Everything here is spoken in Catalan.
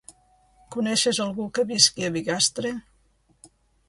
Coneixes algú que visqui a Bigastre?